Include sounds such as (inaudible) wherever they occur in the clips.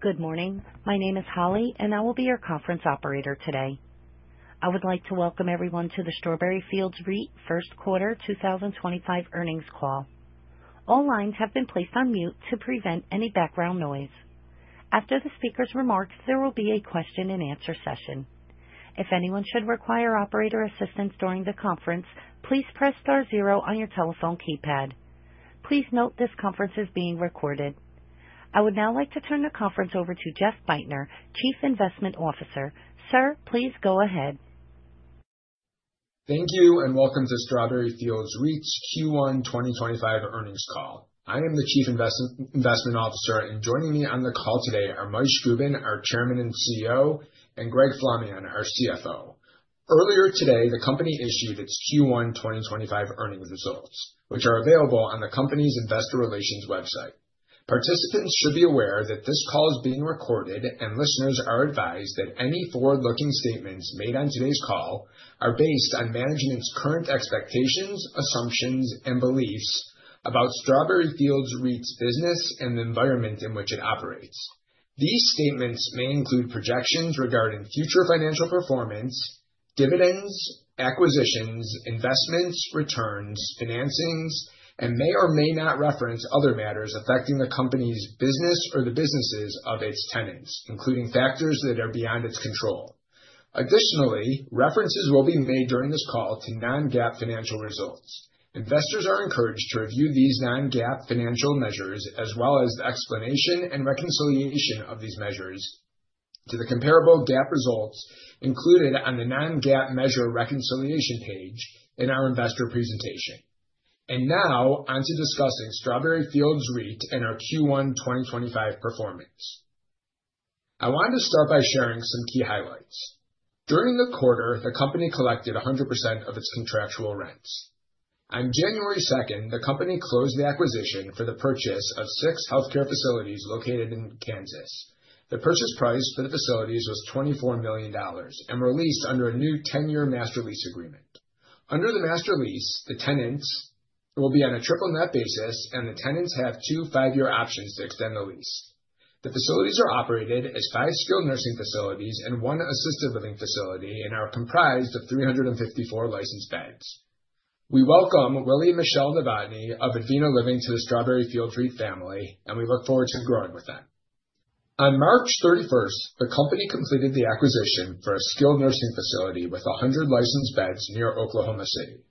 Good morning. My name is Holly, and I will be your conference operator today. I would like to welcome everyone to the Strawberry Fields REIT First Quarter 2025 Earnings Call. All lines have been placed on mute to prevent any background noise. After the speaker's remarks, there will be a question and answer session. If anyone should require operator assistance during the conference, please press star zero on your telephone keypad. Please note this conference is being recorded. I would now like to turn the conference over to Jeffrey Bajtner, Chief Investment Officer. Sir, please go ahead. Thank you. Welcome to Strawberry Fields REIT's Q1 2025 earnings call. I am the chief investment officer, and joining me on the call today are Moishe Gubin, our Chairman and CEO, and Greg Flamion, our CFO. Earlier today, the company issued its Q1 2025 earnings results, which are available on the company's investor relations website. Participants should be aware that this call is being recorded, and listeners are advised that any forward-looking statements made on today's call are based on management's current expectations, assumptions, and beliefs about Strawberry Fields REIT's business and the environment in which it operates. These statements may include projections regarding future financial performance, dividends, acquisitions, investments, returns, financings, and may or may not reference other matters affecting the company's business or the businesses of its tenants, including factors that are beyond its control. Additionally, references will be made during this call to non-GAAP financial results. Investors are encouraged to review these non-GAAP financial measures, as well as the explanation and reconciliation of these measures to the comparable GAAP results included on the non-GAAP measure reconciliation page in our investor presentation. Now, on to discussing Strawberry Fields REIT and our Q1 2025 performance. I wanted to start by sharing some key highlights. During the quarter, the company collected 100% of its contractual rents. On January 2nd, the company closed the acquisition for the purchase of six healthcare facilities located in Kansas. The purchase price for the facilities was $24 million and were leased under a new 10-year master lease agreement. Under the master lease, the tenants will be on a triple net basis, and the tenants have two five-year options to extend the lease. The facilities are operated as five skilled nursing facilities and one assisted living facility and are comprised of 354 licensed beds. We welcome Willie and Michelle Novotny of Aviva Living to the Strawberry Fields REIT family. We look forward to growing with them. On March 31st, the company completed the acquisition for a skilled nursing facility with 100 licensed beds near Oklahoma City.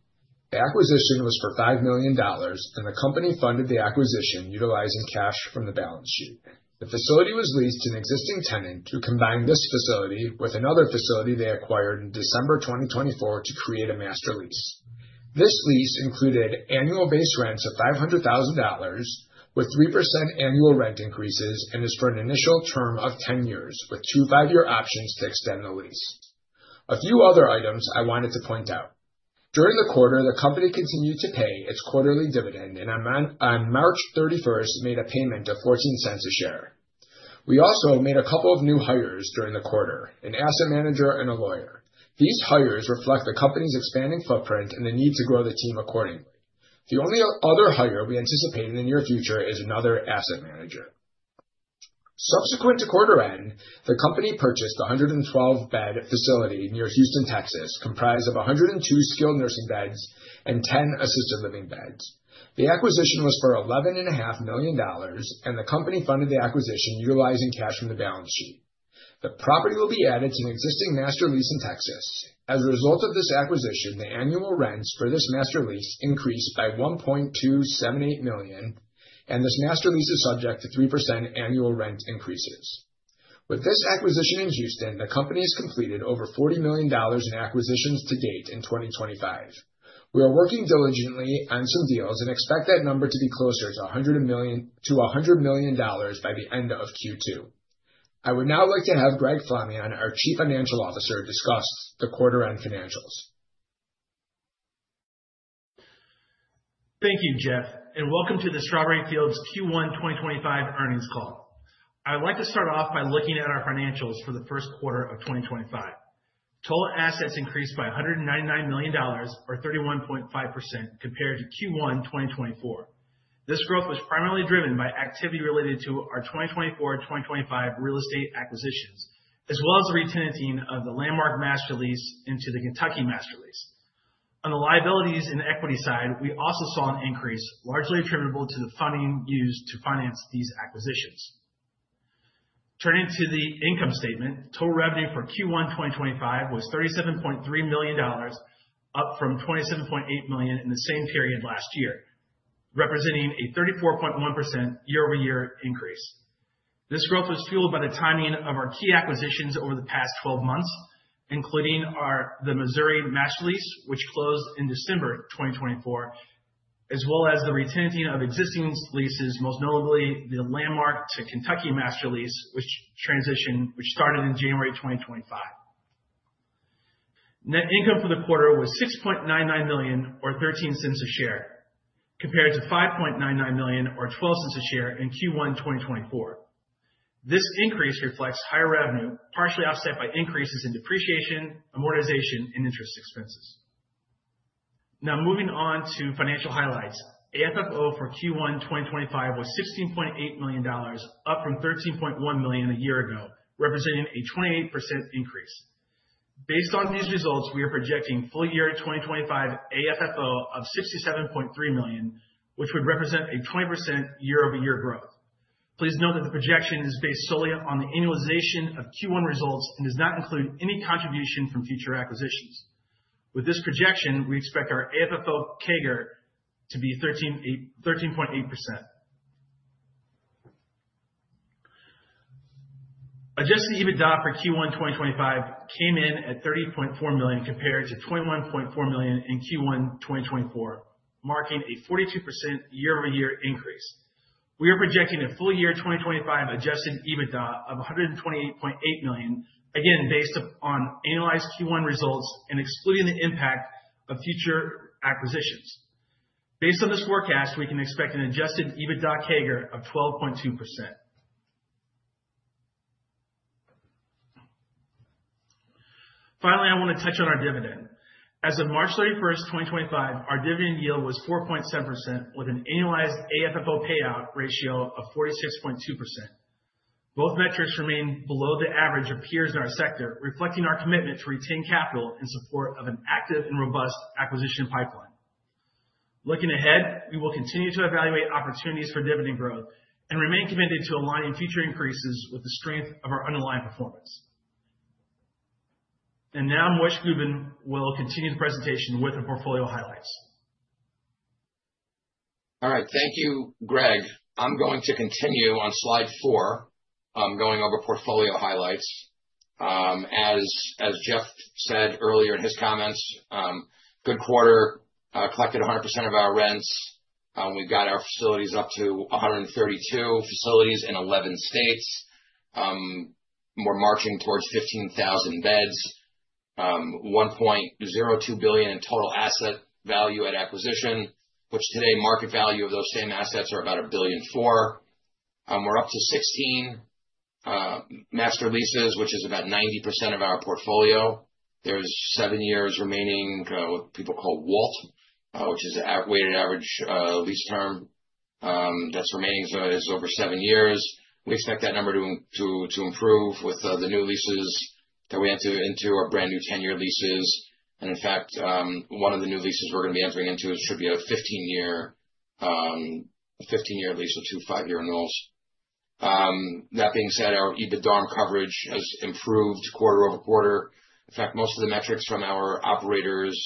The acquisition was for $5 million, and the company funded the acquisition utilizing cash from the balance sheet. The facility was leased to an existing tenant who combined this facility with another facility they acquired in December 2024 to create a master lease. This lease included annual base rents of $500,000 with 3% annual rent increases and is for an initial term of 10 years with two five-year options to extend the lease. A few other items I wanted to point out. During the quarter, the company continued to pay its quarterly dividend and on March 31st made a payment of $0.14 a share. We also made a couple of new hires during the quarter, an asset manager and a lawyer. These hires reflect the company's expanding footprint and the need to grow the team accordingly. The only other hire we anticipate in the near future is another asset manager. Subsequent to quarter end, the company purchased a 112-bed facility near Houston, Texas, comprised of 102 skilled nursing beds and 10 assisted living beds. The acquisition was for $11.5 million, and the company funded the acquisition utilizing cash from the balance sheet. The property will be added to an existing master lease in Texas. As a result of this acquisition, the annual rents for this master lease increased by $1.278 million, and this master lease is subject to 3% annual rent increases. With this acquisition in Houston, the company has completed over $40 million in acquisitions to date in 2025. We are working diligently on some deals and expect that number to be closer to $100 million by the end of Q2. I would now like to have Greg Flamion, our Chief Financial Officer, discuss the quarter end financials. Thank you, Jeff, welcome to the Strawberry Fields Q1 2025 earnings call. I would like to start off by looking at our financials for the first quarter of 2025. Total assets increased by $199 million, or 31.5% compared to Q1 2024. This growth was primarily driven by activity related to our 2024-2025 real estate acquisitions, as well as the re-tenanting of the Landmark master lease into the Kentucky master lease. On the liabilities and equity side, we also saw an increase largely attributable to the funding used to finance these acquisitions. Turning to the income statement, total revenue for Q1 2025 was $37.3 million, up from $27.8 million in the same period last year, representing a 34.1% year-over-year increase. This growth was fueled by the timing of our key acquisitions over the past 12 months, including the Missouri master lease, which closed in December 2024, as well as the re-tenanting of existing leases, most notably the Landmark to Kentucky master lease transition, which started in January 2025. Net income for the quarter was $6.99 million, or $0.13 a share, compared to $5.99 million or $0.12 a share in Q1 2024. This increase reflects higher revenue, partially offset by increases in depreciation, amortization, and interest expenses. Moving on to financial highlights, AFFO for Q1 2025 was $16.8 million, up from $13.1 million a year ago, representing a 28% increase. Based on these results, we are projecting full year 2025 AFFO of $67.3 million, which would represent a 20% year-over-year growth. Please note that the projection is based solely on the annualization of Q1 results and does not include any contribution from future acquisitions. With this projection, we expect our AFFO CAGR to be 13.8%. Adjusted EBITDA for Q1 2025 came in at $30.4 million compared to $21.4 million in Q1 2024, marking a 42% year-over-year increase. We are projecting a full year 2025 adjusted EBITDA of $128.8 million, again, based upon annualized Q1 results and excluding the impact of future acquisitions. Based on this forecast, we can expect an adjusted EBITDA CAGR of 12.2%. Finally, I want to touch on our dividend. As of March 31st, 2025, our dividend yield was 4.7%, with an annualized AFFO payout ratio of 46.2%. Both metrics remain below the average of peers in our sector, reflecting our commitment to retain capital in support of an active and robust acquisition pipeline. Looking ahead, we will continue to evaluate opportunities for dividend growth and remain committed to aligning future increases with the strength of our underlying performance. Now Moishe Gubin will continue the presentation with the portfolio highlights. Thank you, Greg. I'm going to continue on slide four, going over portfolio highlights. As Jeff said earlier in his comments, good quarter. Collected 100% of our rents. We've got our facilities up to 132 facilities in 11 states. We're marching towards 15,000 beds, $1.02 billion in total asset value at acquisition, which today market value of those same assets are about $1.4 billion. We're up to 16 master leases, which is about 90% of our portfolio. There's seven years remaining, what people call WALT, which is a weighted average lease term that's remaining is over seven years. We expect that number to improve with the new leases that we enter into, our brand new 10-year leases. In fact, one of the new leases we're going to be entering into should be a 15-year lease with two five-year renewals. That being said, our EBITDA coverage has improved quarter-over-quarter. In fact, most of the metrics from our operators'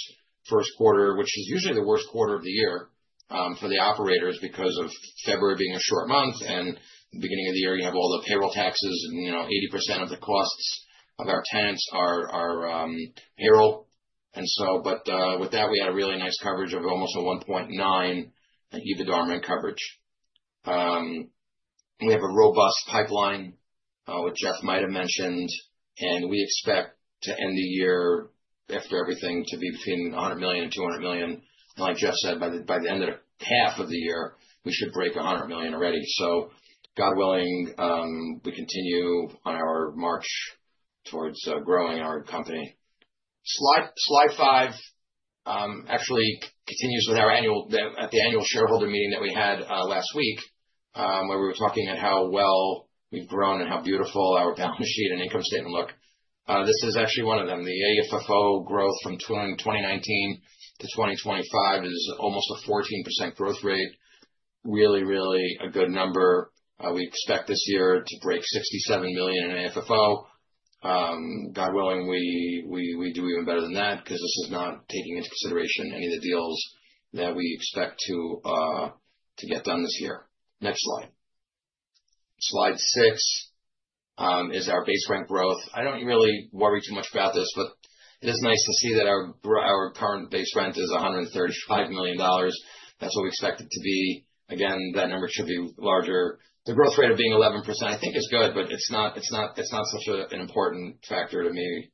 first quarter, which is usually the worst quarter of the year for the operators because of February being a short month and beginning of the year, you have all the payroll taxes and 80% of the costs of our tenants are payroll. With that, we had a really nice coverage of almost a 1.9 EBITDA in coverage. We have a robust pipeline, which Jeff might have mentioned, and we expect to end the year after everything to be between $100 million and $200 million. Like Jeff said, by the end of the half of the year, we should break $100 million already. God willing, we continue on our march towards growing our company. Slide five actually continues at the annual shareholder meeting that we had last week, where we were talking at how well we've grown and how beautiful our balance sheet and income statement look. This is actually one of them. The AFFO growth from 2019 to 2025 is almost a 14% growth rate. Really a good number. We expect this year to break $67 million in AFFO. God willing, we do even better than that because this is not taking into consideration any of the deals that we expect to get done this year. Next slide. Slide six is our base rent growth. I don't really worry too much about this, but it is nice to see that our current base rent is $135 million. That's what we expect it to be. Again, that number should be larger. The growth rate of being 11% I think is good. It's not such an important factor to me,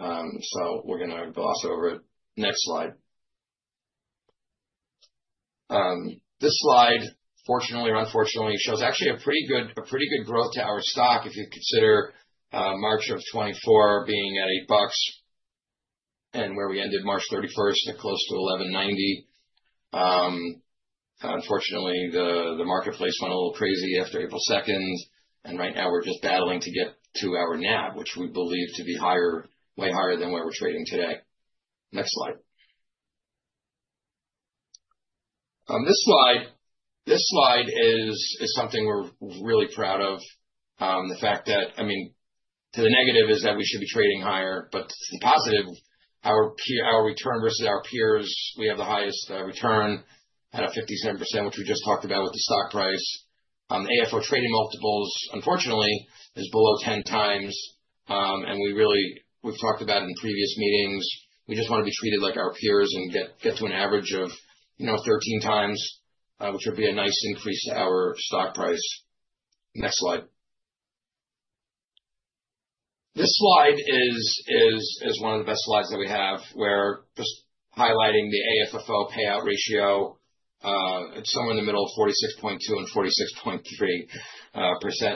so we're going to gloss over it. Next slide. This slide, fortunately or unfortunately, shows actually a pretty good growth to our stock if you consider March of 2024 being at $8 and where we ended March 31st at close to $11.90. Unfortunately, the marketplace went a little crazy after April 2nd. Right now we're just battling to get to our NAV, which we believe to be way higher than where we're trading today. Next slide. This slide is something we're really proud of. The fact that to the negative is that we should be trading higher, but the positive, our return versus our peers, we have the highest return at a 57%, which we just talked about with the stock price. AFFO trading multiples, unfortunately, is below 10 times. We've talked about in previous meetings, we just want to be treated like our peers and get to an average of 13 times, which would be a nice increase to our stock price. Next slide. This slide is one of the best slides that we have. We're just highlighting the AFFO payout ratio. It's somewhere in the middle of 46.2% and 46.3%,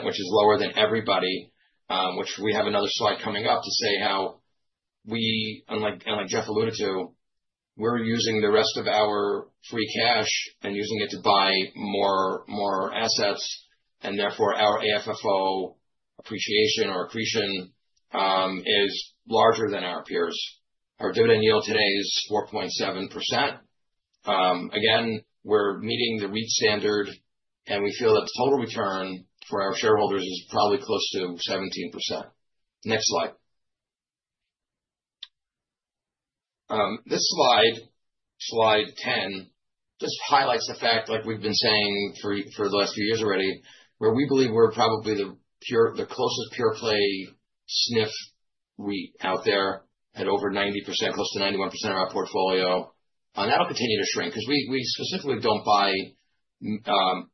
which is lower than everybody. We have another slide coming up to say how we, and like Jeff alluded to, we're using the rest of our free cash and using it to buy more assets, and therefore, our AFFO appreciation or accretion is larger than our peers. Our dividend yield today is 4.7%. Again, we're meeting the REIT standard. We feel that the total return for our shareholders is probably close to 17%. Next slide. This slide 10, just highlights the fact, like we've been saying for the last few years already, where we believe we're probably the closest pure-play SNF REIT out there at over 90%, close to 91% of our portfolio. That'll continue to shrink, because we specifically don't buy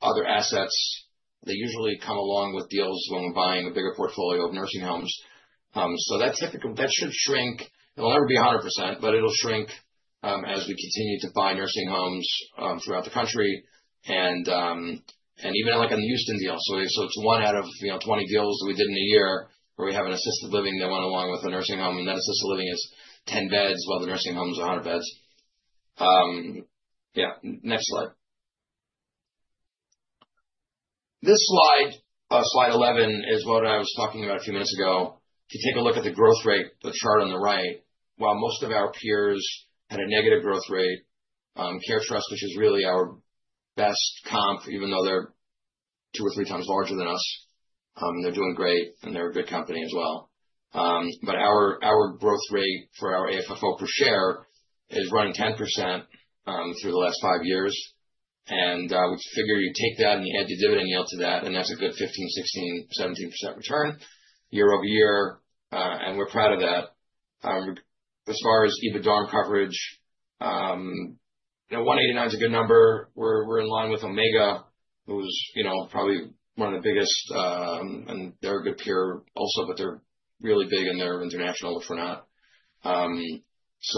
other assets. They usually come along with deals when we're buying a bigger portfolio of nursing homes. That should shrink. It'll never be 100%, but it'll shrink as we continue to buy nursing homes throughout the country, and even in the Houston deal. It's one out of 20 deals that we did in a year, where we have an assisted living that went along with the nursing home, and that assisted living is 10 beds, while the nursing home is 100 beds. Yeah. Next slide. This slide 11, is what I was talking about a few minutes ago. If you take a look at the growth rate, the chart on the right, while most of our peers had a negative growth rate, CareTrust, which is really our best comp, even though they're two or three times larger than us, they're doing great, and they're a good company as well. Our growth rate for our AFFO per share is running 10% through the last five years. We figure you take that and you add the dividend yield to that, and that's a good 15%, 16%, 17% return year-over-year. We're proud of that. As far as EBITDA coverage, 189 is a good number. We're in line with Omega, who's probably one of the biggest, and they're a good peer also, but they're really big and they're international, which we're not.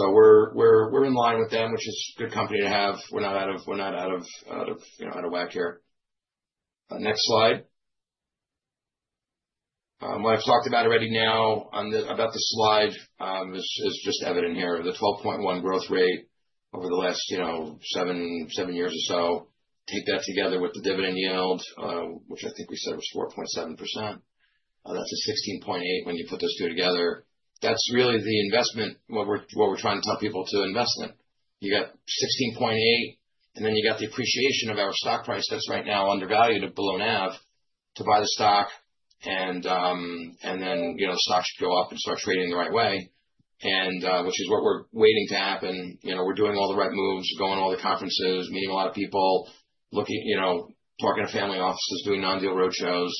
We're in line with them, which is a good company to have. We're not out of whack here. Next slide. What I've talked about already now about this slide is just evident here. The 12.1 growth rate over the last seven years or so. Take that together with the dividend yield, which I think we said was 4.7%. That's a 16.8 when you put those two together. That's really the investment, what we're trying to tell people to invest in. You got 16.8, and then you got the appreciation of our stock price that's right now undervalued and below NAV to buy the stock, and then the stock should go up and start trading the right way. Which is what we're waiting to happen. We're doing all the right moves, going to all the conferences, meeting a lot of people, talking to family offices, doing on-deal road shows.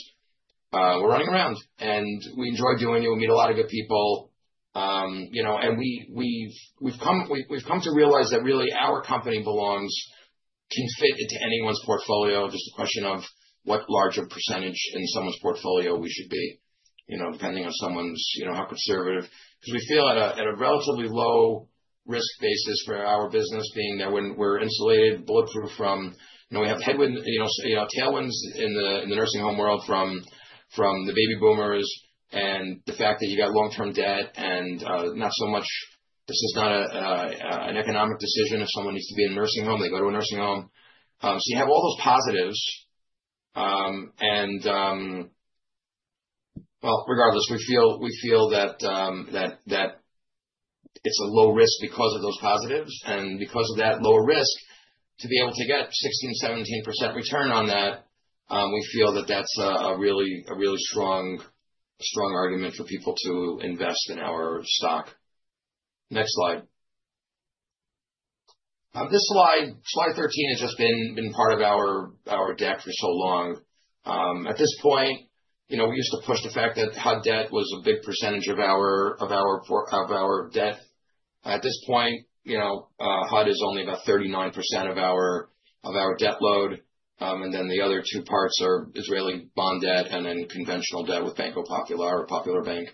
We're running around, and we enjoy doing it. We meet a lot of good people. We've come to realize that really our company can fit into anyone's portfolio. Just a question of what larger percentage in someone's portfolio we should be, depending on how conservative. Because we feel at a relatively low risk basis for our business being that we're insulated, bulletproof. We have tailwinds in the nursing home world from the baby boomers and the fact that you got long-term debt and this is not an economic decision. If someone needs to be in a nursing home, they go to a nursing home. You have all those positives. Well, regardless, we feel that it's a low risk because of those positives, and because of that low risk, to be able to get 16%, 17% return on that, we feel that that's a really strong argument for people to invest in our stock. Next slide. This slide 13, has just been part of our deck for so long. At this point, we used to push the fact that HUD debt was a big percentage of our debt. At this point, HUD is only about 39% of our debt load. The other two parts are Israeli bond debt and then conventional debt with Banco Popular or Popular Bank.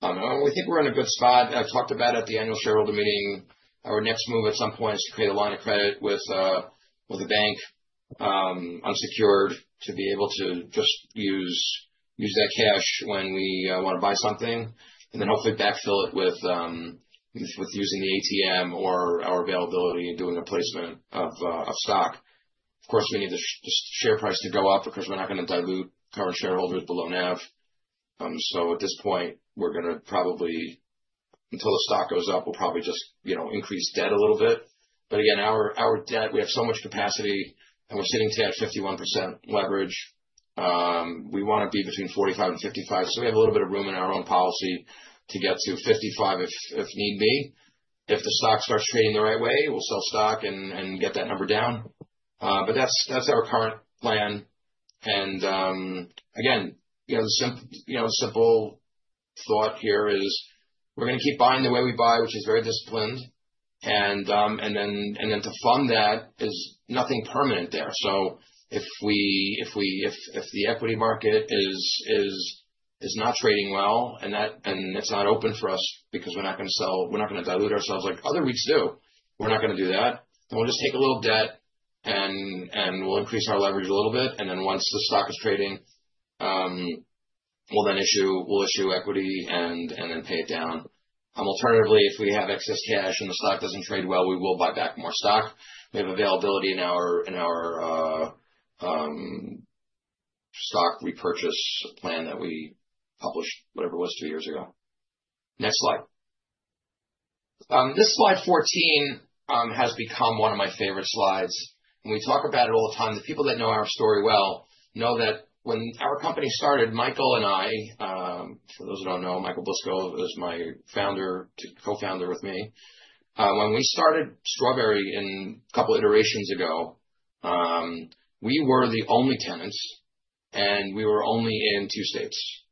We think we're in a good spot. I've talked about at the annual shareholder meeting, our next move at some point is to create a line of credit with a bank, unsecured, to be able to just use that cash when we want to buy something, and then hopefully backfill it with using the ATM or our availability and doing a placement of stock. Of course, we need the share price to go up because we're not going to dilute current shareholders below NAV. At this point, until the stock goes up, we'll probably just increase debt a little bit. Again, our debt, we have so much capacity, and we're sitting today at 51% leverage. We want to be between 45% and 55%, so we have a little bit of room in our own policy to get to 55% if need be. If the stock starts trading the right way, we'll sell stock and get that number down. That's our current plan. Again, the simple thought here is we're going to keep buying the way we buy, which is very disciplined. To fund that, there's nothing permanent there. If the equity market is not trading well, and it's not open for us because we're not going to dilute ourselves like other REITs do. We're not going to do that. We'll just take a little debt, we'll increase our leverage a little bit, then once the stock is trading, we'll then issue equity and then pay it down. Alternatively, if we have excess cash and the stock doesn't trade well, we will buy back more stock. We have availability in our stock repurchase plan that we published, whatever it was, two years ago. Next slide. This slide 14 has become one of my favorite slides, we talk about it all the time. The people that know our story well know that when our company started, Michael and I, for those who don't know, Michael Blisko is my co-founder with me. When we started Strawberry a couple iterations ago, we were the only tenants, and we were only in two states.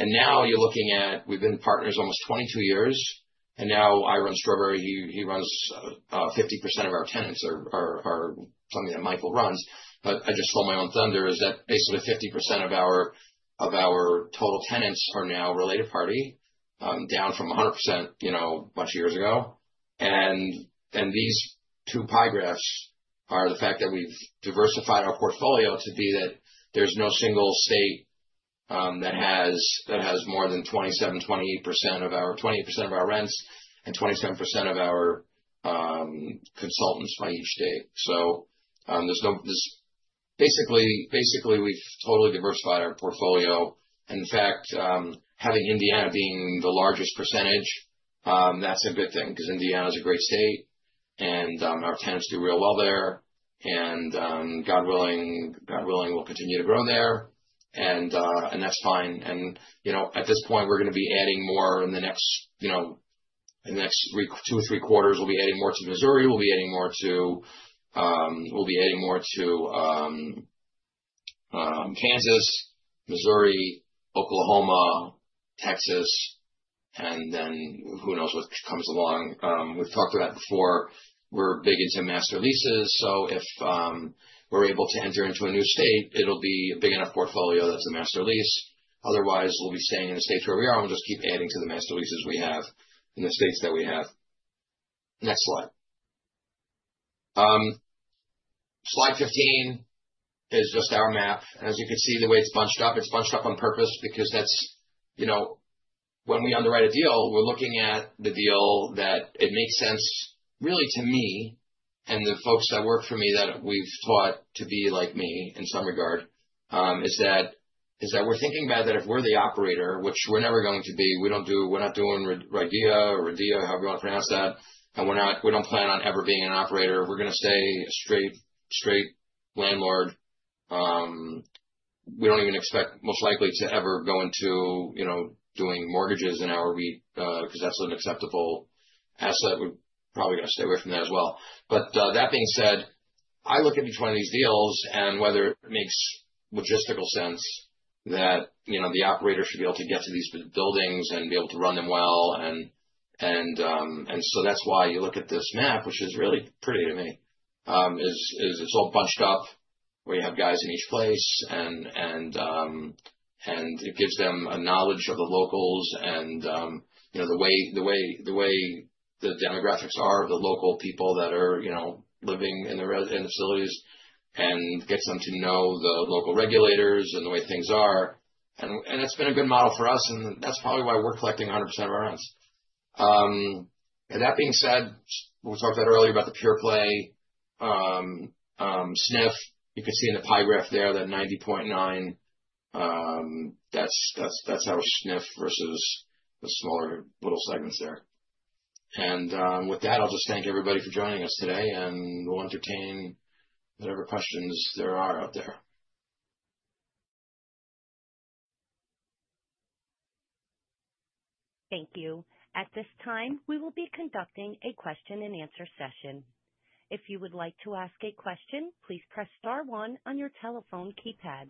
Now you're looking at, we've been partners almost 22 years, now I run Strawberry. 50% of our tenants are something that Michael runs. I just stole my own thunder, is that basically 50% of our total tenants are now a related party, down from 100% a bunch of years ago. These two pie graphs are the fact that we've diversified our portfolio to be that there's no single state that has more than 28% of our rents and 27% of our (inaudible) by each state. Basically, we've totally diversified our portfolio. In fact, having Indiana being the largest percentage, that's a good thing because Indiana is a great state, our tenants do real well there, God willing, we'll continue to grow there, that's fine. At this point, we're going to be adding more in the next two or three quarters. We'll be adding more to Kansas, Missouri, Oklahoma, Texas, then who knows what comes along. We've talked about it before. We're big into master leases, if we're able to enter into a new state, it'll be a big enough portfolio that it's a master lease. Otherwise, we'll be staying in the states where we are, we'll just keep adding to the master leases we have in the states that we have. Next slide. Slide 15 is just our map. As you can see, the way it's bunched up, it's bunched up on purpose because when we underwrite a deal, we're looking at the deal that it makes sense really to me and the folks that work for me that we've taught to be like me in some regard, is that we're thinking about that if we're the operator, which we're never going to be. We're not doing RIDEA or RIDEA, however you want to pronounce that, we don't plan on ever being an operator. We're going to stay a straight landlord. We don't even expect, most likely, to ever go into doing mortgages in our REIT because that's an acceptable asset. We're probably going to stay away from that as well. That being said, I look at each one of these deals and whether it makes logistical sense that the operator should be able to get to these buildings and be able to run them well. That's why you look at this map, which is really pretty to me. It's all bunched up. We have guys in each place, it gives them a knowledge of the locals and the way the demographics are of the local people that are living in the facilities and gets them to know the local regulators and the way things are. It's been a good model for us, that's probably why we're collecting 100% of our rents. That being said, we talked about it earlier, about the pure play, SNF, you can see in the pie graph there, that 90.9%. That's our SNF versus the smaller little segments there. With that, I'll just thank everybody for joining us today, and we'll entertain whatever questions there are out there. Thank you. At this time, we will be conducting a question and answer session. If you would like to ask a question, please press star one on your telephone keypad.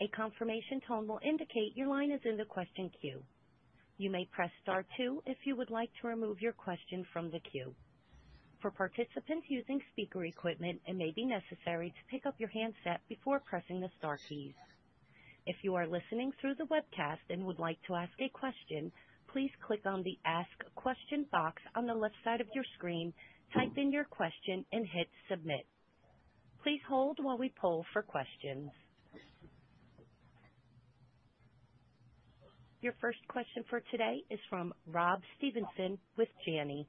A confirmation tone will indicate your line is in the question queue. You may press star two if you would like to remove your question from the queue. For participants using speaker equipment, it may be necessary to pick up your handset before pressing the star keys. If you are listening through the webcast and would like to ask a question, please click on the "Ask question" box on the left side of your screen, type in your question, and hit submit. Please hold while we poll for questions. Your first question for today is from Rob Stevenson with Janney.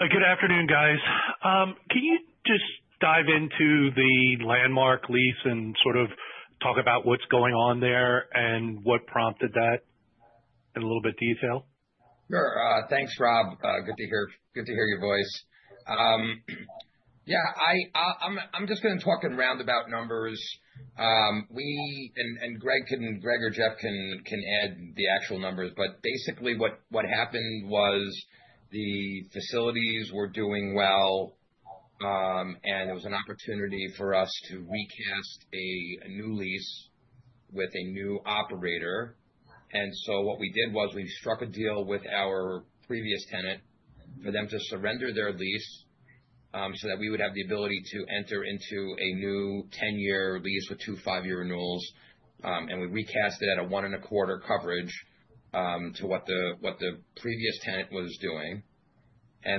Good afternoon, guys. Can you just dive into the Landmark lease and sort of talk about what's going on there and what prompted that in a little bit of detail? Sure. Thanks, Rob. Good to hear your voice. Yeah. I'm just going to talk in roundabout numbers. We, Greg or Jeff can add the actual numbers, but basically what happened was the facilities were doing well, and there was an opportunity for us to recast a new lease with a new operator. What we did was we struck a deal with our previous tenant for them to surrender their lease so that we would have the ability to enter into a new 10-year lease with two five-year renewals, and we recast it at a one and a quarter coverage, to what the previous tenant was doing.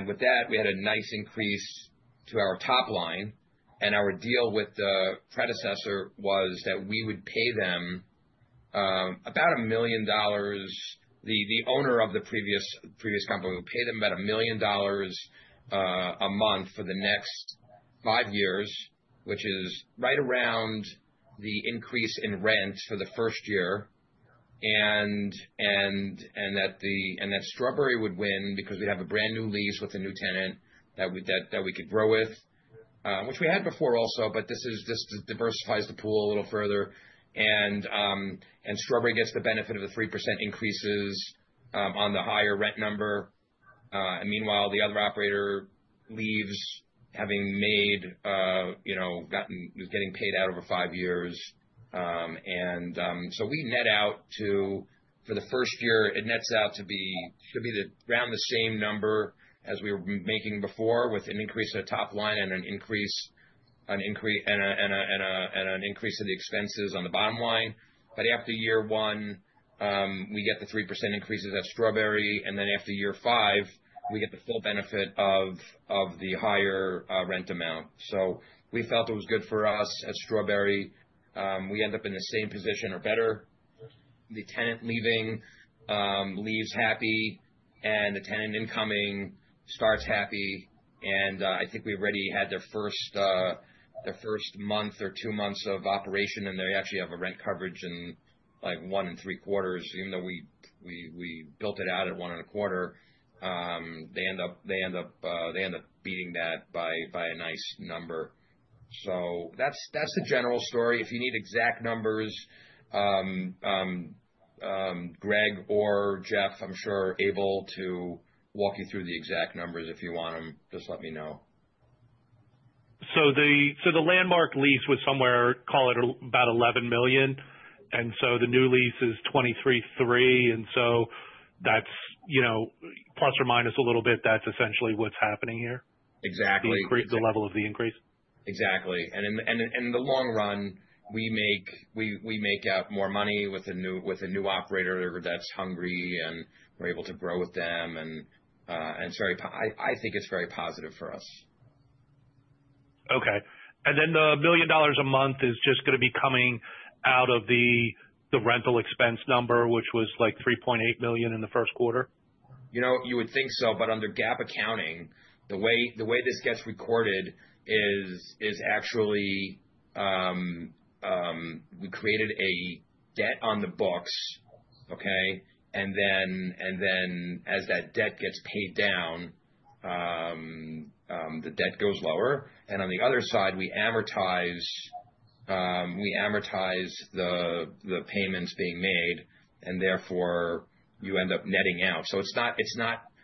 With that, we had a nice increase to our top line. Our deal with the predecessor was that we would pay them about $1 million. The owner of the previous company, we pay them about $1 million a month for the next five years, which is right around the increase in rent for the first year. That Strawberry would win because we have a brand-new lease with a new tenant that we could grow with, which we had before also, but this just diversifies the pool a little further. Strawberry gets the benefit of the 3% increases on the higher rent number. Meanwhile, the other operator leaves, getting paid out over five years. For the first year, it nets out to be around the same number as we were making before, with an increase in the top line and an increase in the expenses on the bottom line. After year one, we get the 3% increases at Strawberry. After year five, we get the full benefit of the higher rent amount. We felt it was good for us at Strawberry. We end up in the same position or better. The tenant leaving leaves happy, and the tenant incoming starts happy. I think we already had their first month or two months of operation, and they actually have a rent coverage in one and three quarters, even though we built it out at one and a quarter. They end up beating that by a nice number. That's the general story. If you need exact numbers, Greg or Jeff, I'm sure, are able to walk you through the exact numbers if you want them, just let me know. The Landmark lease was somewhere, call it about $11 million. The new lease is $23.3. That's plus or minus a little bit, that's essentially what's happening here? Exactly. The level of the increase? Exactly. In the long run, we make out more money with a new operator that's hungry, and we're able to grow with them. I think it's very positive for us. Okay. The $1 million a month is just going to be coming out of the rental expense number, which was like $3.8 million in the first quarter? You would think so. Under GAAP accounting, the way this gets recorded is actually, we created a debt on the books. Okay? As that debt gets paid down, the debt goes lower, and on the other side, we amortize the payments being made, and therefore you end up netting out.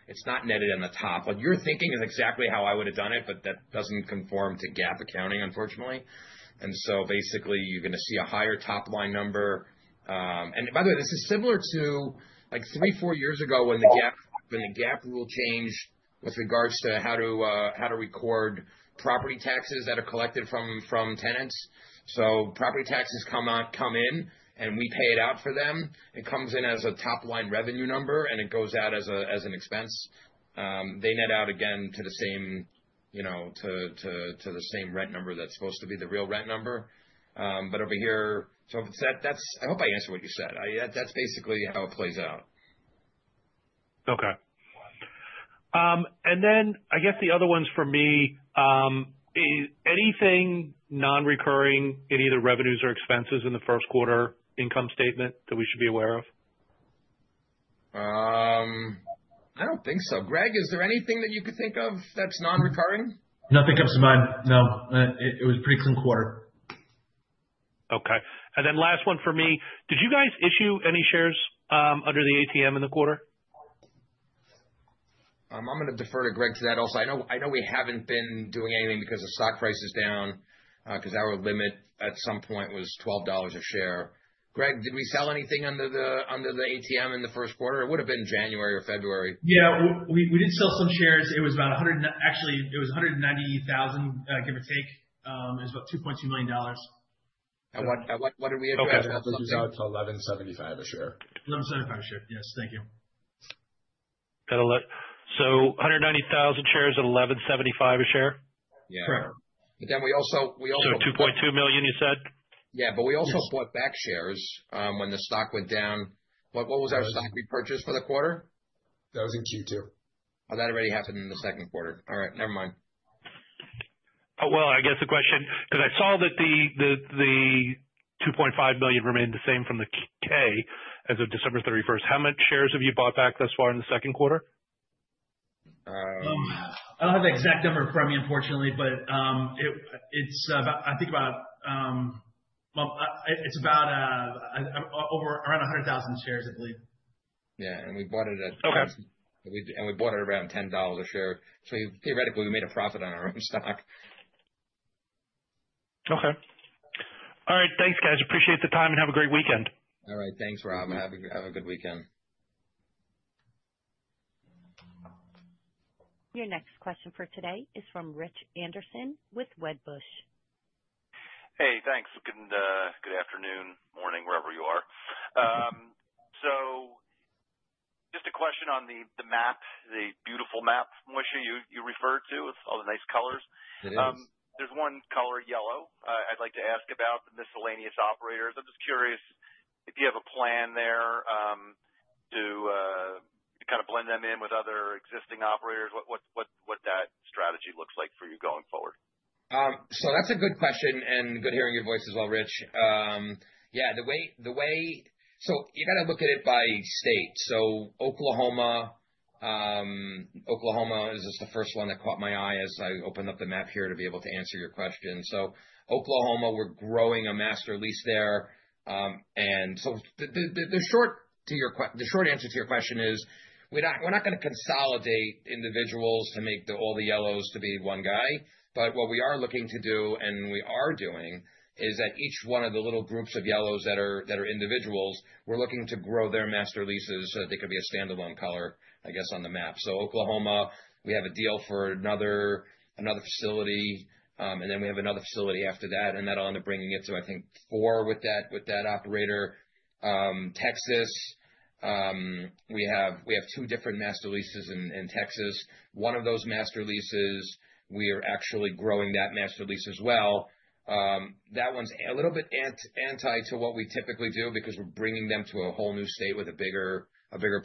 It's not netted on the top. What you're thinking is exactly how I would've done it, but that doesn't conform to GAAP accounting, unfortunately. Basically, you're going to see a higher top-line number. By the way, this is similar to three, four years ago when the GAAP rule changed with regards to how to record property taxes that are collected from tenants. Property taxes come in, and we pay it out for them. It comes in as a top-line revenue number, and it goes out as an expense. They net out again to the same rent number that's supposed to be the real rent number. Over here, I hope I answered what you said. That's basically how it plays out. Okay. Then I guess the other ones for me, anything non-recurring in either revenues or expenses in the first quarter income statement that we should be aware of? I don't think so. Greg, is there anything that you could think of that's non-recurring? Nothing comes to mind. No. It was a pretty clean quarter. Okay. Last one for me, did you guys issue any shares under the ATM in the quarter? I'm going to defer to Greg to that also. I know we haven't been doing anything because the stock price is down, because our limit at some point was $12 a share. Greg, did we sell anything under the ATM in the first quarter? It would've been January or February. Yeah. We did sell some shares. Actually, it was 190,000, give or take. It was about $2.2 million. At what did we execute that, if I have that? Okay. It was out to $11.75 a share. $11.75 a share. Yes. Thank you. 190,000 shares at $11.75 a share? Yeah. Correct. We also- 2.2 million you said? Yeah. We also bought back shares when the stock went down. What was our stock repurchase for the quarter? That was in Q2. Oh, that already happened in the second quarter. All right, never mind. I guess the question, because I saw that the $2.5 million remained the same from the K as of December 31st. How many shares have you bought back thus far in the second quarter? I don't have the exact number in front of me, unfortunately, but it's around 100,000 shares, I believe. We bought it. Okay We bought it around $10 a share. Theoretically, we made a profit on our own stock. Okay. All right. Thanks, guys. Appreciate the time, and have a great weekend. All right. Thanks, Rob. Have a good weekend. Your next question for today is from Rich Anderson with Wedbush Securities. Hey, thanks. Good afternoon, morning, wherever you are. Just a question on the map, the beautiful map, Moishe, you referred to with all the nice colors. It is. There's one color yellow I'd like to ask about the miscellaneous operators. I'm just curious if you have a plan there to kind of blend them in with other existing operators. What that strategy looks like for you going forward. That's a good question, and good hearing your voice as well, Rich. You got to look at it by state. Oklahoma is just the first one that caught my eye as I opened up the map here to be able to answer your question. Oklahoma, we're growing a master lease there. The short answer to your question is, we're not going to consolidate individuals to make all the yellows to be one guy. What we are looking to do and we are doing, is that each one of the little groups of yellows that are individuals, we're looking to grow their master leases so that they can be a standalone color, I guess, on the map. Oklahoma, we have a deal for another facility, and then we have another facility after that, and that'll end up bringing it to, I think, four with that operator. Texas, we have two different master leases in Texas. One of those master leases, we are actually growing that master lease as well. That one's a little bit anti to what we typically do because we're bringing them to a whole new state with a bigger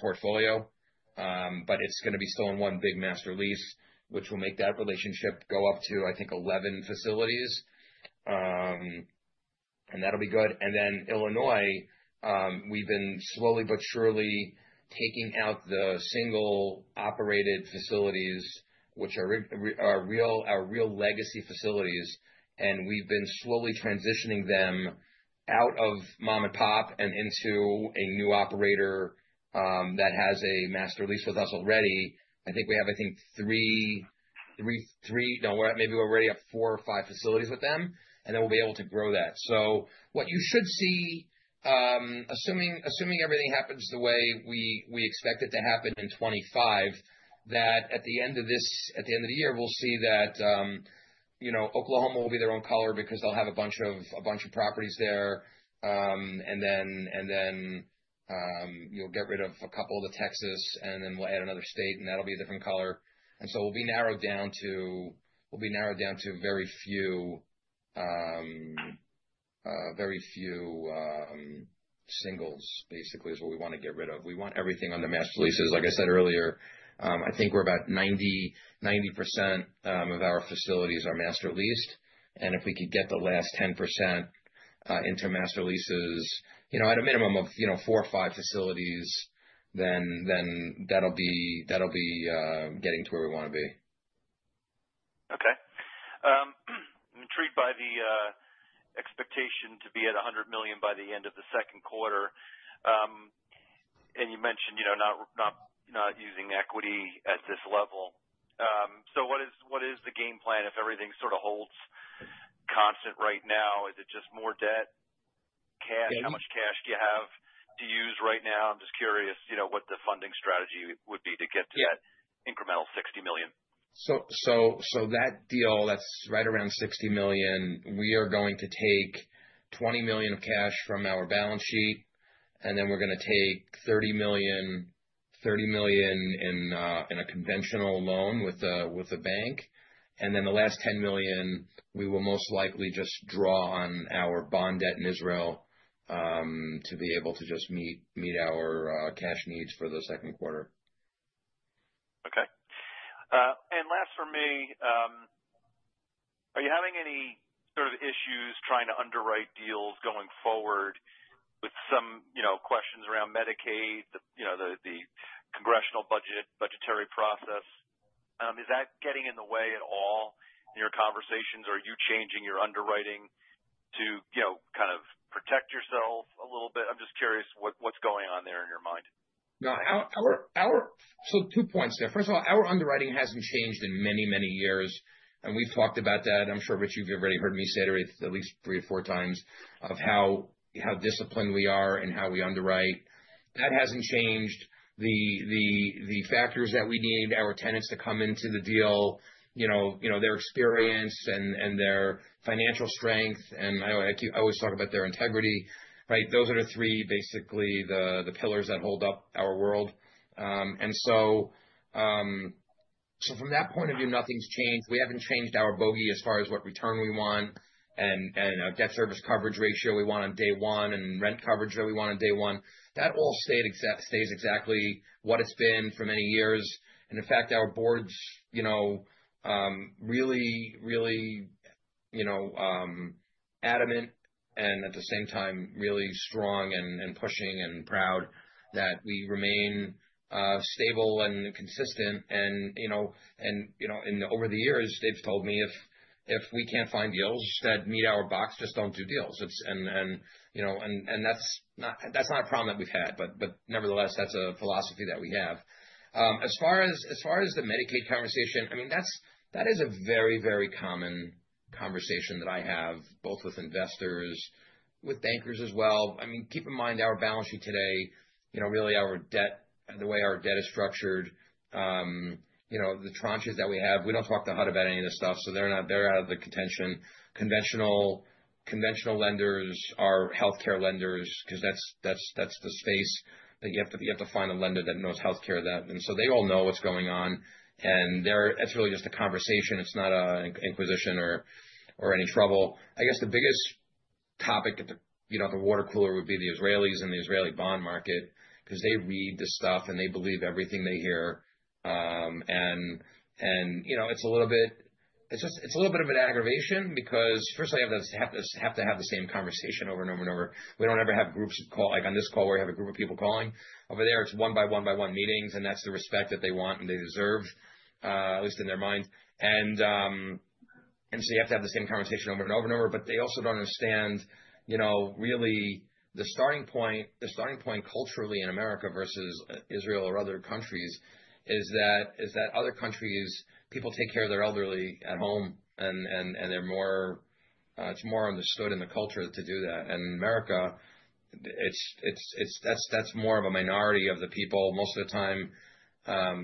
portfolio. It's going to be still in one big master lease, which will make that relationship go up to, I think, 11 facilities. That'll be good. Illinois, we've been slowly but surely taking out the single operated facilities, which are our real legacy facilities, and we've been slowly transitioning them out of mom and pop and into a new operator, that has a master lease with us already. I think we have three. No, maybe we're already up four or five facilities with them, then we'll be able to grow that. What you should see, assuming everything happens the way we expect it to happen in 2025, that at the end of the year, we'll see that Oklahoma will be their own color because they'll have a bunch of properties there. Then you'll get rid of a couple of the Texas, then we'll add another state, that'll be a different color. We'll be narrowed down to very few singles, basically, is what we want to get rid of. We want everything under master leases. Like I said earlier, I think we're about 90% of our facilities are master leased. If we could get the last 10% into master leases at a minimum of four or five facilities, then that'll be getting to where we want to be. Okay. I'm intrigued by the expectation to be at $100 million by the end of the second quarter. You mentioned not using equity at this level. What is the game plan if everything sort of holds constant right now? Is it just more debt, cash? Yes. How much cash do you have to use right now? I'm just curious, what the funding strategy would be to get to that incremental $60 million. That deal, that is right around $60 million. We are going to take $20 million of cash from our balance sheet, and then we are going to take $30 million in a conventional loan with a bank. Then the last $10 million, we will most likely just draw on our bond debt in Israel, to be able to just meet our cash needs for the second quarter. Okay. Last from me, are you having any sort of issues trying to underwrite deals going forward with some questions around Medicaid, the Congressional budgetary process? Is that getting in the way at all in your conversations? Are you changing your underwriting to kind of protect yourself a little bit? I am just curious what is going on there in your mind. Two points there. First of all, our underwriting has not changed in many, many years, and we have talked about that. I am sure, Rich, you have already heard me say at least three or four times of how disciplined we are and how we underwrite. That has not changed. The factors that we need our tenants to come into the deal, their experience and their financial strength, and I always talk about their integrity, right? Those are the three, basically the pillars that hold up our world. From that point of view, nothing has changed. We have not changed our bogey as far as what return we want and our debt service coverage ratio we want on day one and rent coverage that we want on day one. That all stays exactly what it has been for many years. In fact, our board is really adamant and at the same time really strong and pushing and proud that we remain stable and consistent and over the years, they have told me if we cannot find deals that meet our box, just do not do deals. That is not a problem that we have had, but nevertheless, that is a philosophy that we have. As far as the Medicaid conversation, that is a very, very common conversation that I have, both with investors, with bankers as well. Keep in mind, our balance sheet today, really the way our debt is structured, the tranches that we have, we do not talk to HUD about any of this stuff, so they are out of the contention. Conventional lenders are healthcare lenders because that is the space, but you have to find a lender that knows healthcare then. They all know what's going on, and that's really just a conversation. It's not an inquisition or any trouble. I guess the biggest topic at the water cooler would be the Israelis and the Israeli bond market because they read this stuff and they believe everything they hear. It's a little bit of an aggravation because first I have to have the same conversation over and over. We don't ever have groups call. Like on this call, we have a group of people calling. Over there, it's one by one by one meetings, and that's the respect that they want and they deserve, at least in their mind. You have to have the same conversation over and over. They also don't understand really the starting point culturally in America versus Israel or other countries is that other countries, people take care of their elderly at home, and it's more understood in the culture to do that. In America, that's more of a minority of the people. Most of the time,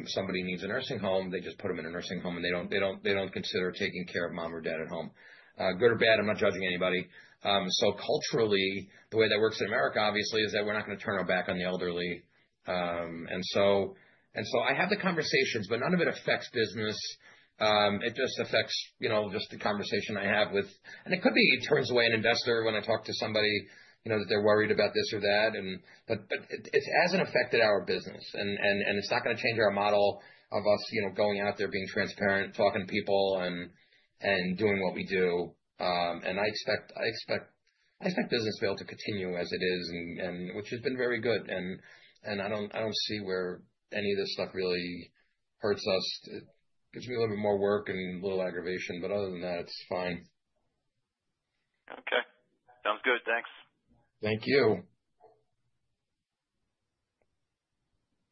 somebody needs a nursing home, they just put them in a nursing home, and they don't consider taking care of mom or dad at home. Good or bad, I'm not judging anybody. Culturally, the way that works in America, obviously, is that we're not going to turn our back on the elderly. I have the conversations, but none of it affects business. It just affects just the conversation I have with. It could be it turns away an investor when I talk to somebody that they're worried about this or that. It hasn't affected our business, and it's not going to change our model of us going out there, being transparent, talking to people, and doing what we do. I expect business to be able to continue as it is, which has been very good, and I don't see where any of this stuff really hurts us. It gives me a little bit more work and a little aggravation, but other than that, it's fine. Okay. Sounds good. Thanks. Thank you.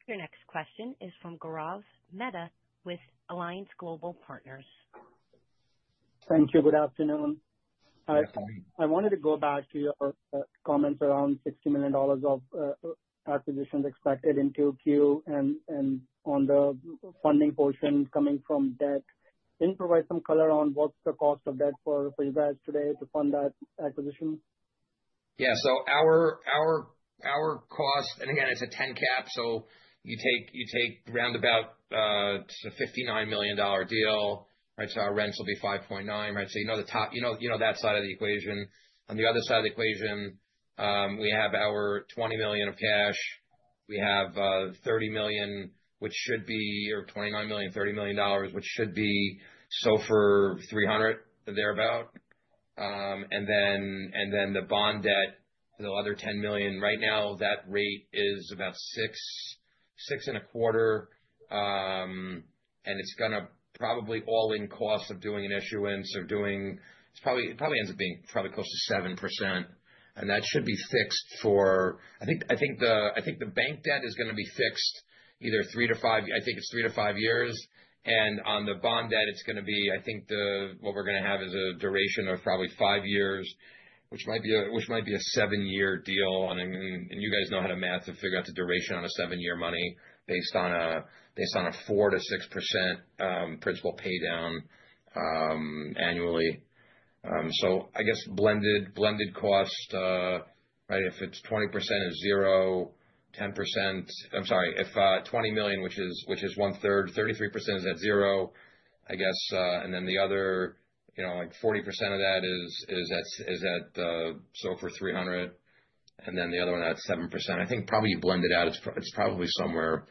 Your next question is from Gaurav Mehta with Alliance Global Partners. Thank you. Good afternoon. Yeah. I wanted to go back to your comments around $60 million of acquisitions expected in 2Q and on the funding portion coming from debt. Can you provide some color on what's the cost of debt for you guys today to fund that acquisition? Yeah. Our cost, and again, it's a 10 cap, you take roundabout a $59 million deal, right? Our rents will be $5.9. You know that side of the equation. On the other side of the equation, we have our $20 million of cash. We have $30 million, which should be, or $29 million, which should be SOFR 300 or thereabout. The bond debt, the other $10 million. Right now, that rate is about six and a quarter. It's going to probably all in cost of doing an issuance, it ends up being close to 7%, and that should be fixed for I think the bank debt is going to be fixed either three to five years. On the bond debt, it's going to be, I think what we're going to have is a duration of probably five years, which might be a seven-year deal. You guys know how to math to figure out the duration on a seven-year money based on a 4%-6% principal paydown annually. I guess blended cost, if it's 20% is zero, I'm sorry, if $20 million, which is one-third, 33% is at zero, I guess, and then the other 40% of that is at SOFR 300, and then the other one at 7%. I think you blend it out, it's probably somewhere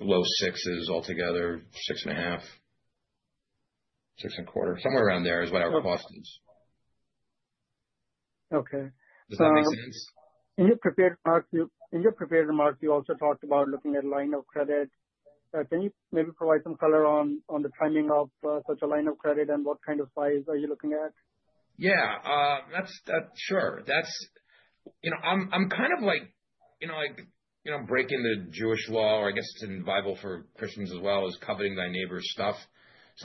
low sixes altogether, six and a half, six and a quarter. Somewhere around there is what our cost is. Okay. Does that make sense? In your prepared remarks, you also talked about looking at line of credit. Can you maybe provide some color on the timing of such a line of credit and what kind of size are you looking at? Yeah. Sure. I'm kind of breaking the Jewish law, or I guess it's in the Bible for Christians as well, is coveting thy neighbor's stuff.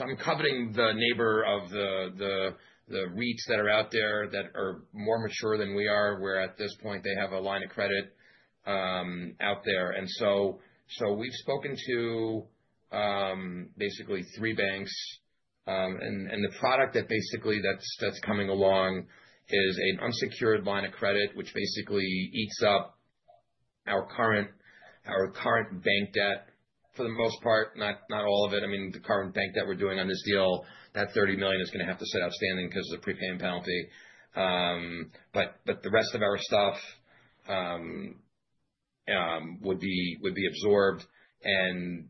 I'm coveting the neighbor of the REITs that are out there that are more mature than we are, where at this point they have a line of credit out there. We've spoken to basically three banks. The product that basically that's coming along is an unsecured line of credit, which basically eats up our current bank debt for the most part, not all of it. The current bank debt we're doing on this deal, that $30 million is going to have to sit outstanding because of the prepayment penalty. The rest of our stuff would be absorbed, and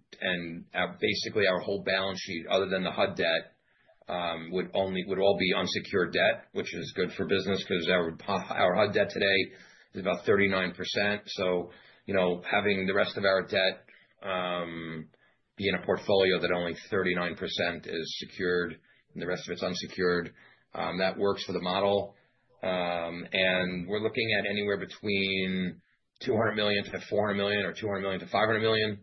basically our whole balance sheet, other than the HUD debt, would all be unsecured debt, which is good for business because our HUD debt today is about 39%. Having the rest of our debt be in a portfolio that only 39% is secured and the rest of it's unsecured, that works for the model. We're looking at anywhere between $200 million-$400 million or $200 million-$500 million.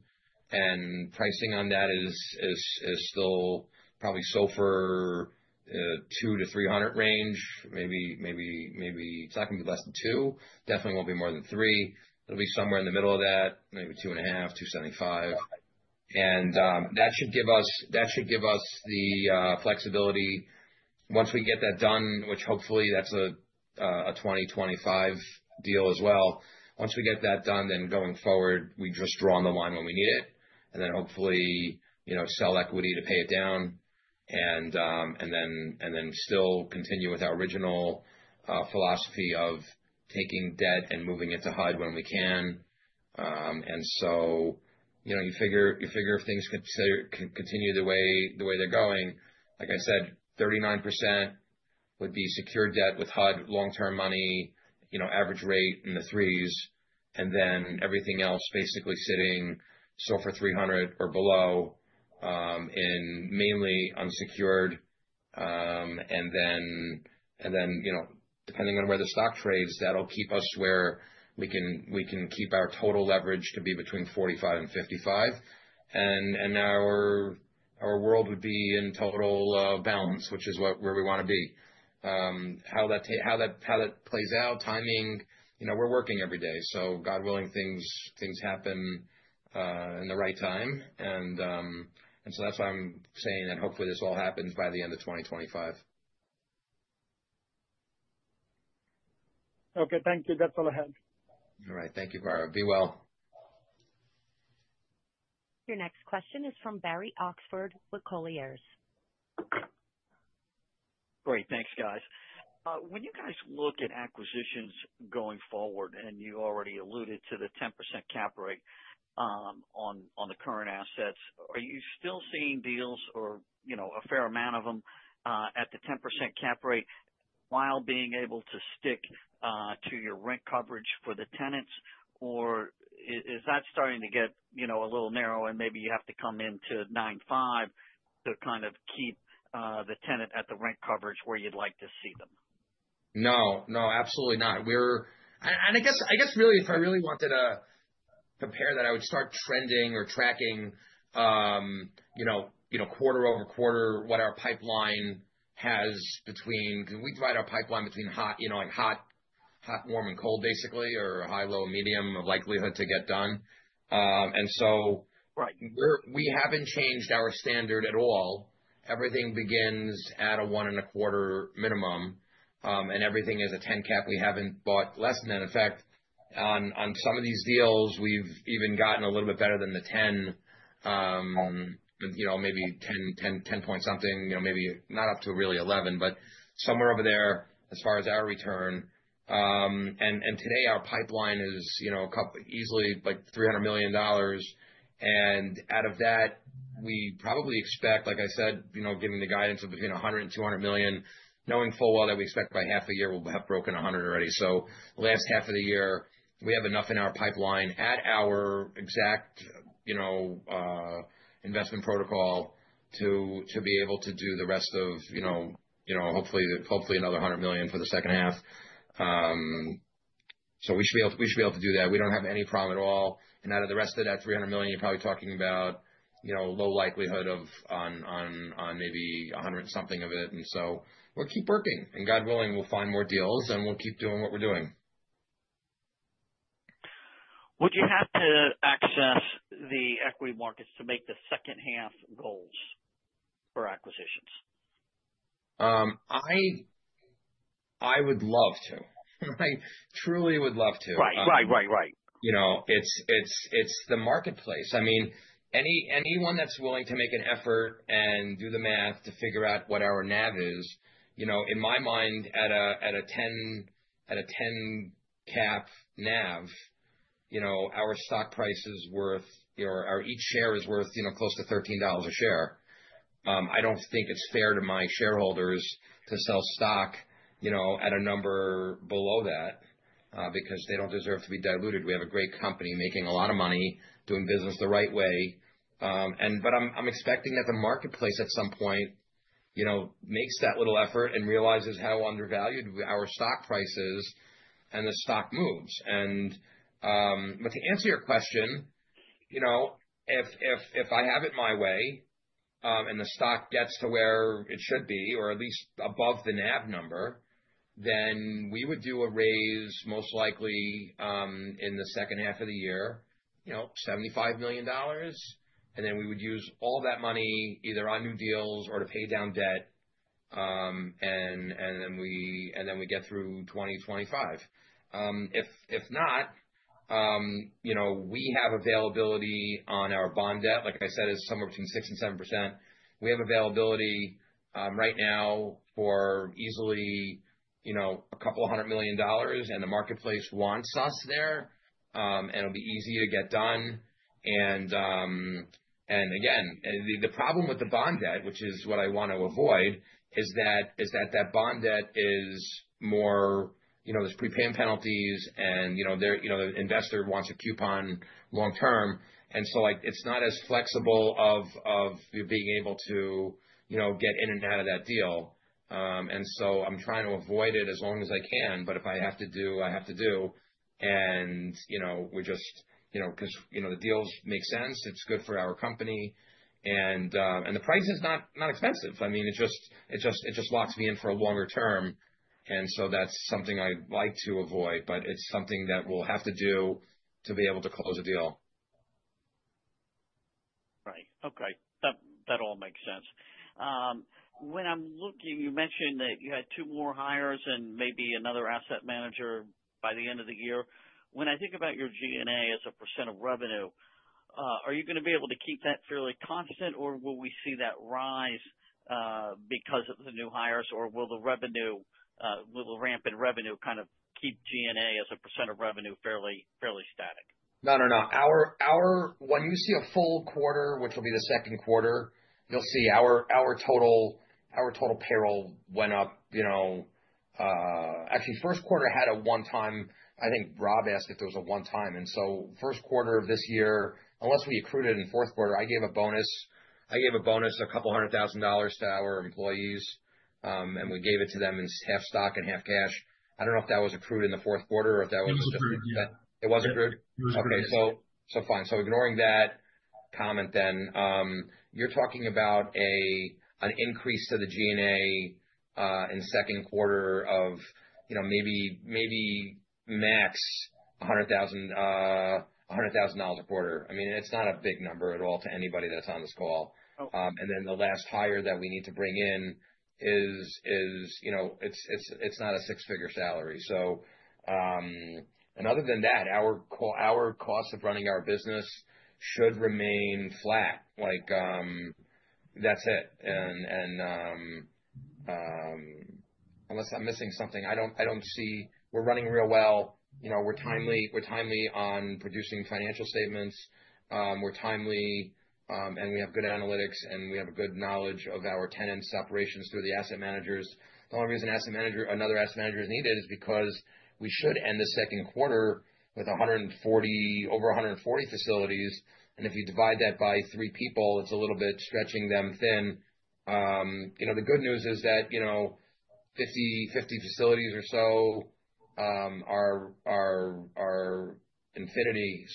Pricing on that is still probably SOFR 2 to 300 range, maybe. It's not going to be less than two, definitely won't be more than three. It'll be somewhere in the middle of that, maybe 2.5, 275. That should give us the flexibility once we get that done, which hopefully that's a 2025 deal as well. Once we get that done, then going forward, we just draw on the line when we need it and then hopefully sell equity to pay it down and then still continue with our original philosophy of taking debt and moving it to HUD when we can. You figure if things continue the way they're going, like I said, 39% would be secured debt with HUD long-term money, average rate in the threes, and then everything else basically sitting SOFR 300 or below, in mainly unsecured. Depending on where the stock trades, that'll keep us where we can keep our total leverage to be between 45 and 55. Our world would be in total balance, which is where we want to be. How that plays out, timing, we're working every day. God willing, things happen in the right time. That's why I'm saying that hopefully this all happens by the end of 2025. Okay, thank you. That's all I have. All right. Thank you, Gaurav. Be well. Your next question is from Barry Oxford with Colliers. Great. Thanks, guys. When you guys look at acquisitions going forward, you already alluded to the 10% cap rate on the current assets, are you still seeing deals or a fair amount of them at the 10% cap rate while being able to stick to your rent coverage for the tenants? Or is that starting to get a little narrow and maybe you have to come into nine-five to kind of keep the tenant at the rent coverage where you'd like to see them? No, absolutely not. I guess if I really wanted to compare that, I would start trending or tracking quarter-over-quarter what our pipeline has between Because we divide our pipeline between hot, warm, and cold, basically, or high, low, medium of likelihood to get done. Right. We haven't changed our standard at all. Everything begins at a one and a quarter minimum, and everything is a 10 cap. We haven't bought less than that. In fact, on some of these deals, we've even gotten a little bit better than the 10, maybe 10.something, maybe not up to really 11, but somewhere over there as far as our return. Today, our pipeline is easily $300 million. Out of that, we probably expect, like I said, giving the guidance of between $100 million and $200 million, knowing full well that we expect by half a year we'll have broken $100 million already. Last half of the year, we have enough in our pipeline at our exact investment protocol to be able to do the rest of hopefully another $100 million for the second half. We should be able to do that. We don't have any problem at all. Out of the rest of that $300 million, you're probably talking about low likelihood of on maybe $100.something of it. We'll keep working. God willing, we'll find more deals and we'll keep doing what we're doing. Would you have to access the equity markets to make the second half goals for acquisitions? I would love to. I truly would love to. Right. It's the marketplace. Anyone that's willing to make an effort and do the math to figure out what our NAV is, in my mind, at a 10 cap NAV, our stock price is worth, or each share is worth close to $13 a share. I don't think it's fair to my shareholders to sell stock at a number below that because they don't deserve to be diluted. We have a great company making a lot of money doing business the right way. I'm expecting that the marketplace at some point makes that little effort and realizes how undervalued our stock price is and the stock moves. To answer your question, if I have it my way, the stock gets to where it should be, or at least above the NAV number, we would do a raise most likely in the second half of the year, $75 million. We would use all that money either on new deals or to pay down debt. We get through 2025. If not, we have availability on our bond debt. Like I said, it's somewhere between 6% and 7%. We have availability right now for easily a couple of hundred million dollars, the marketplace wants us there. It'll be easy to get done. Again, the problem with the bond debt, which is what I want to avoid, is that that bond debt is more, there's prepayment penalties and the investor wants a coupon long term. It's not as flexible of you being able to get in and out of that deal. I'm trying to avoid it as long as I can, but if I have to do, I have to do. Because the deals make sense, it's good for our company, the price is not expensive. It just locks me in for a longer term, that's something I'd like to avoid, but it's something that we'll have to do to be able to close a deal. Right. Okay. That all makes sense. When I'm looking, you mentioned that you had two more hires and maybe another asset manager by the end of the year. When I think about your G&A as a % of revenue, are you going to be able to keep that fairly constant, or will we see that rise, because of the new hires? Will the rampant revenue keep G&A as a % of revenue fairly static? No. When you see a full quarter, which will be the second quarter, you'll see our total payroll went up. Actually, first quarter had a one-time. I think Rob asked if there was a one-time. First quarter of this year, unless we accrued it in fourth quarter, I gave a bonus of a couple of hundred thousand dollars to our employees, and we gave it to them in half stock and half cash. I don't know if that was accrued in the fourth quarter or if that was. It was accrued, yeah. It was accrued? It was accrued. Okay. Fine. Ignoring that comment then, you're talking about an increase to the G&A, in the second quarter of maybe max $100,000 a quarter. It's not a big number at all to anybody that's on this call. Okay. The last hire that we need to bring in, it's not a six-figure salary. Other than that, our cost of running our business should remain flat. That's it. Unless I'm missing something, we're running real well. We're timely on producing financial statements. We're timely, and we have good analytics, and we have a good knowledge of our tenants' operations through the asset managers. The only reason another asset manager is needed is because we should end the second quarter with over 140 facilities, and if you divide that by three people, it's a little bit stretching them thin. The good news is that 50 facilities or so are Infinity.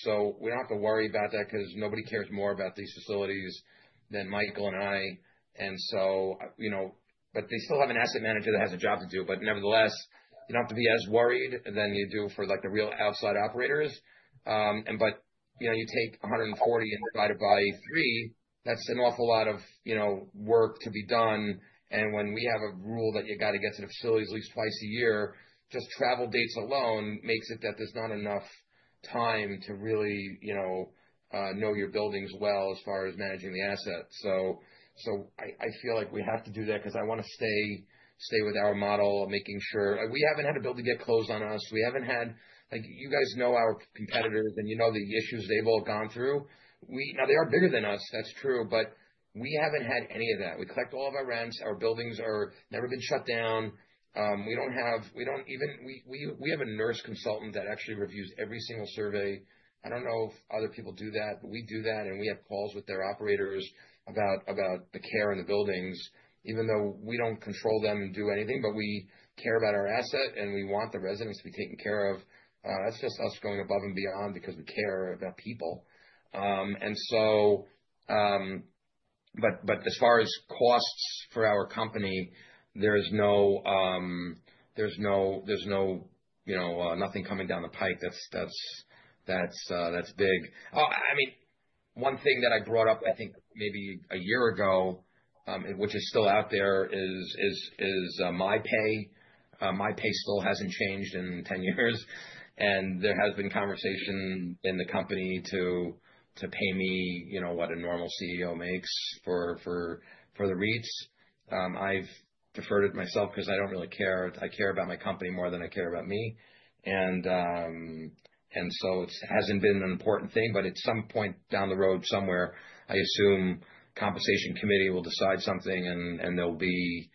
We don't have to worry about that because nobody cares more about these facilities than Michael and I. They still have an asset manager that has a job to do. Nevertheless, you don't have to be as worried as you do for the real outside operators. You take 140 and divide it by three, that's an awful lot of work to be done. When we have a rule that you got to get to the facilities at least twice a year, just travel dates alone makes it that there's not enough time to really know your buildings well as far as managing the asset. I feel like we have to do that because I want to stay with our model of making sure. We haven't had a building get closed on us. You guys know our competitors, and you know the issues they've all gone through. They are bigger than us, that's true, but we haven't had any of that. We collect all of our rents. Our buildings are never been shut down. We have a nurse consultant that actually reviews every single survey. I don't know if other people do that, but we do that, and we have calls with their operators about the care in the buildings, even though we don't control them and do anything, but we care about our asset, and we want the residents to be taken care of. That's just us going above and beyond because we care about people. As far as costs for our company, there's nothing coming down the pipe that's big. One thing that I brought up, I think maybe a year ago, which is still out there, is my pay. My pay still hasn't changed in 10 years. There has been conversation in the company to pay me what a normal CEO makes for the REITs. I've deferred it myself because I don't really care. I care about my company more than I care about me. So it hasn't been an important thing, but at some point down the road somewhere, I assume compensation committee will decide something and there'll be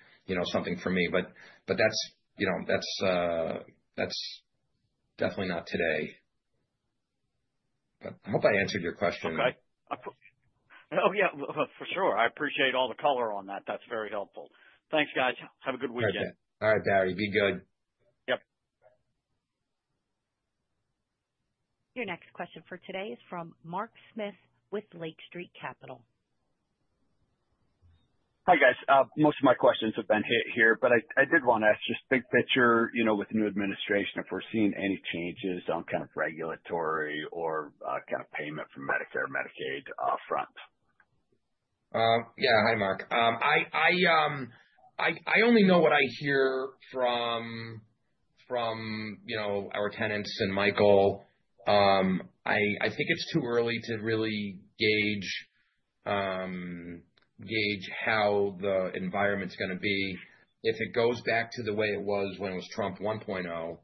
something for me. That's definitely not today. I hope I answered your question. Okay. Oh, yeah. For sure. I appreciate all the color on that. That's very helpful. Thanks, guys. Have a good weekend. Okay. All right, Barry. Be good. Yep. Your next question for today is from Mark Smith with Lake Street Capital. Hi, guys. Most of my questions have been hit here, I did want to ask, just big picture, with the new administration, if we're seeing any changes on regulatory or payment from Medicare/Medicaid front. Yeah. Hi, Mark. I only know what I hear from our tenants and Michael. I think it's too early to really gauge how the environment's going to be. If it goes back to the way it was when it was Trump 1.0,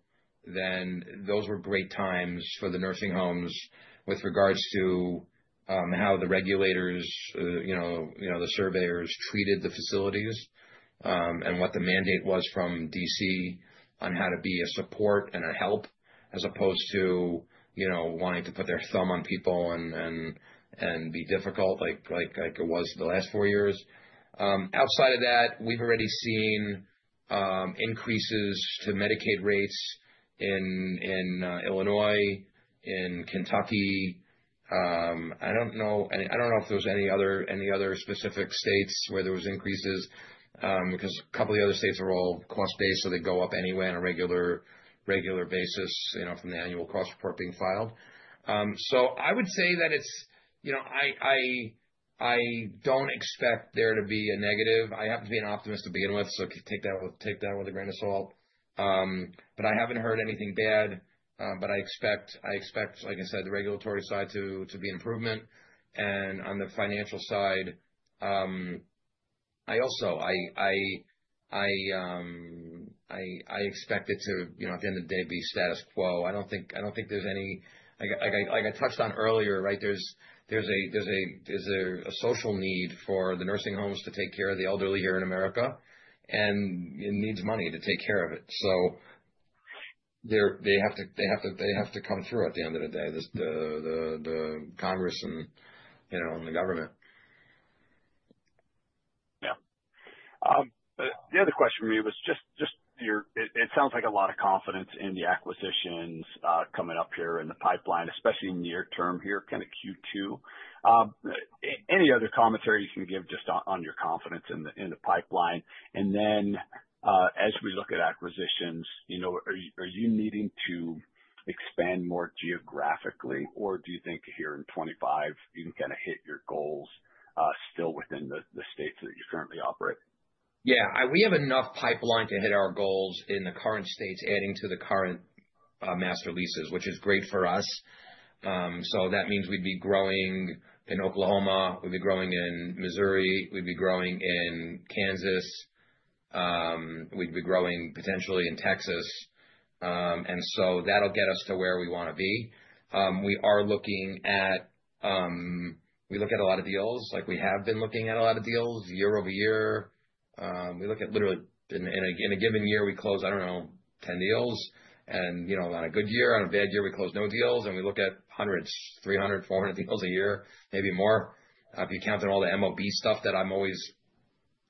then those were great times for the nursing homes with regards to how the regulators, the surveyors, treated the facilities. What the mandate was from D.C. on how to be a support and a help as opposed to wanting to put their thumb on people and be difficult like it was the last four years. Outside of that, we've already seen increases to Medicaid rates in Illinois, in Kentucky. I don't know if there was any other specific states where there was increases, because a couple of the other states are all cost-based, so they go up anyway on a regular basis, from the annual cost report being filed. I would say that I don't expect there to be a negative. I happen to be an optimist to begin with, so take that with a grain of salt. I haven't heard anything bad. I expect, like I said, the regulatory side to be an improvement. On the financial side, I expect it to, at the end of the day, be status quo, like I touched on earlier. There's a social need for the nursing homes to take care of the elderly here in America, and it needs money to take care of it. They have to come through at the end of the day, the Congress and the government. Yeah. The other question from me was, it sounds like a lot of confidence in the acquisitions coming up here in the pipeline, especially near term here, Q2. Any other commentary you can give just on your confidence in the pipeline? As we look at acquisitions, are you needing to expand more geographically, or do you think here in 2025, you can hit your goals still within the states that you currently operate? Yeah. We have enough pipeline to hit our goals in the current states, adding to the current master leases, which is great for us. That means we'd be growing in Oklahoma, we'd be growing in Missouri, we'd be growing in Kansas. We'd be growing potentially in Texas. That'll get us to where we want to be. We look at a lot of deals, like we have been looking at a lot of deals year-over-year. In a given year, we close, I don't know, 10 deals. On a good year, on a bad year, we close no deals, and we look at hundreds, 300, 400 deals a year, maybe more. If you count all the MOB stuff that I'm always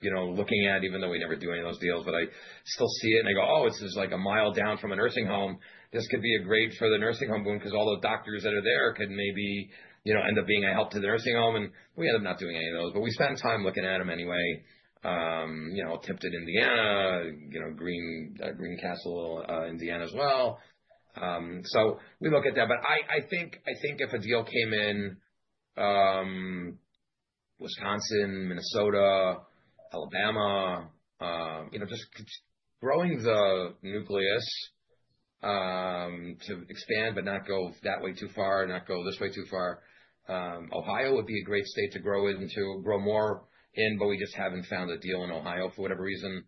looking at, even though we never do any of those deals, but I still see it and I go, "Oh, this is a mile down from a nursing home. This could be great for the nursing home boom, because all those doctors that are there could maybe end up being a help to the nursing home." We end up not doing any of those. We spend time looking at them anyway, Tipton, Indiana, Greencastle, Indiana, as well. We look at that, but I think if a deal came in Wisconsin, Minnesota, Alabama, just growing the nucleus, to expand but not go that way too far, not go this way too far. Ohio would be a great state to grow into, grow more in, but we just haven't found a deal in Ohio for whatever reason.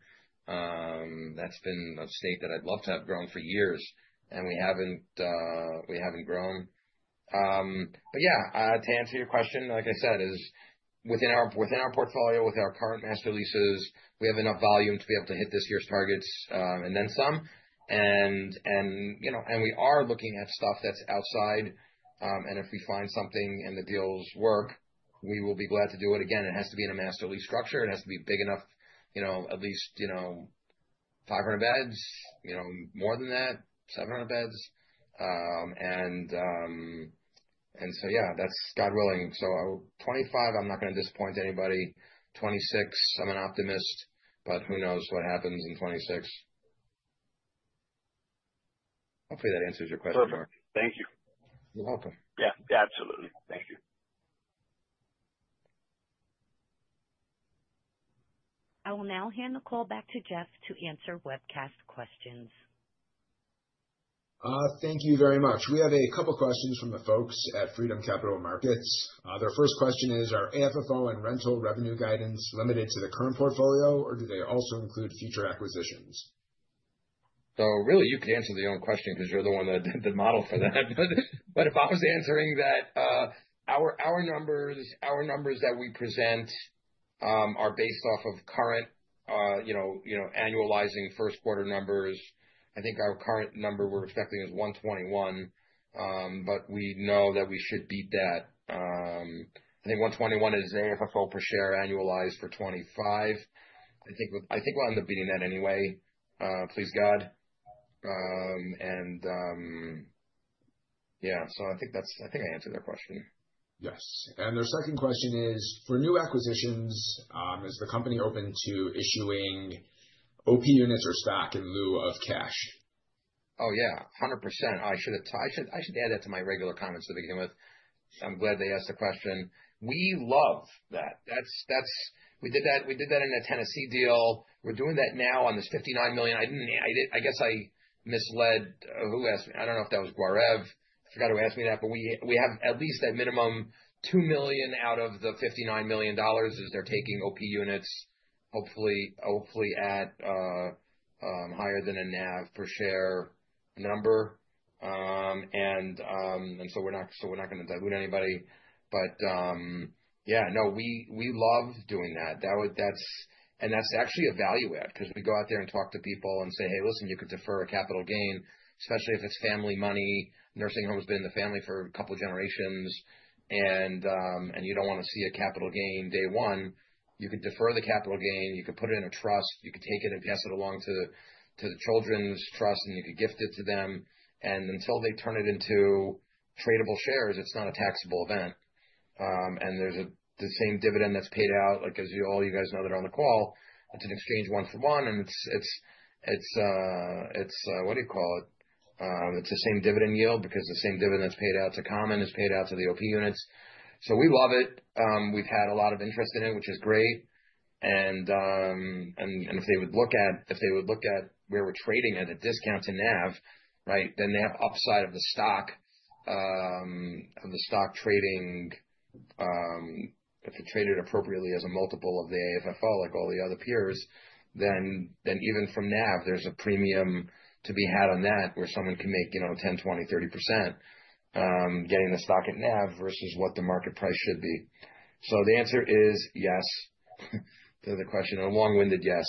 That's been a state that I'd love to have grown for years, and we haven't grown. Yeah, to answer your question, like I said, within our portfolio, within our current master leases, we have enough volume to be able to hit this year's targets, and then some. We are looking at stuff that's outside, and if we find something and the deals work, we will be glad to do it again. It has to be in a master lease structure. It has to be big enough, at least 500 beds, more than that, 700 beds. Yeah, that's God willing. 2025, I'm not going to disappoint anybody. 2026, I'm an optimist, but who knows what happens in 2026. Hopefully, that answers your question. Perfect. Thank you. You're welcome. Yeah, absolutely. Thank you. I will now hand the call back to Jeff to answer webcast questions. Thank you very much. We have a couple questions from the folks at Freedom Capital Markets. Their first question is, are AFFO and rental revenue guidance limited to the current portfolio, or do they also include future acquisitions? Really, you could answer your own question because you're the one that did the model for that. If I was answering that, our numbers that we present, are based off of current annualizing first quarter numbers. I think our current number we're expecting is $1.21, but we know that we should beat that. I think $1.21 is the AFFO per share annualized for 2025. I think we'll end up beating that anyway, please, God. I think I answered that question. Yes. Their second question is, for new acquisitions, is the company open to issuing OP units or stock in lieu of cash? Oh, yeah, 100%. I should add that to my regular comments to begin with. I'm glad they asked the question. We love that. We did that in the Tennessee deal. We're doing that now on this $59 million. I guess I misled, who asked me? I don't know if that was Gaurav. I forgot who asked me that, but we have at least a minimum $2 million out of the $59 million is they're taking OP units, hopefully at higher than a NAV per share number. We're not going to dilute anybody. We love doing that. That's actually a value add because we go out there and talk to people and say, "Hey, listen, you could defer a capital gain," especially if it's family money. Nursing home has been in the family for a couple of generations, you don't want to see a capital gain day one. You could defer the capital gain, you could put it in a trust, you could take it and pass it along to the children's trust, and you could gift it to them. Until they turn it into tradable shares, it's not a taxable event. There's the same dividend that's paid out, like as all you guys know that on the call, it's an exchange one for one, it's, what do you call it? It's the same dividend yield because the same dividend that's paid out to common is paid out to the OP units. We love it. We've had a lot of interest in it, which is great. If they would look at where we're trading at a discount to NAV, then they have upside of the stock. If it traded appropriately as a multiple of the AFFO, like all the other peers, then even from NAV, there's a premium to be had on that where someone can make 10, 20, 30%, getting the stock at NAV versus what the market price should be. The answer is yes to the question, a long-winded yes.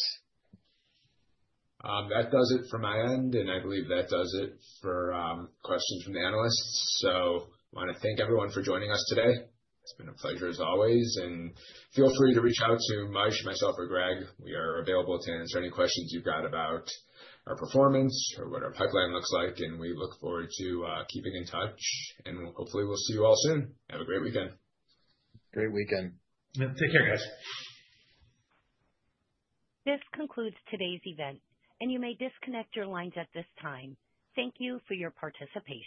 That does it from my end, I believe that does it for questions from the analysts. I want to thank everyone for joining us today. It's been a pleasure as always, feel free to reach out to Moishe, myself, or Greg. We are available to answer any questions you've got about our performance or what our pipeline looks like, we look forward to keeping in touch, hopefully, we'll see you all soon. Have a great weekend. Great weekend. Take care, guys. This concludes today's event, and you may disconnect your lines at this time. Thank you for your participation.